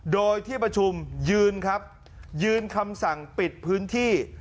โดยที่ประชุมยืนครับยืนคำสั่งปิดพื้นที่